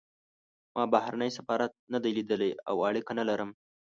ما بهرنی سفارت نه دی لیدلی او اړیکه نه لرم.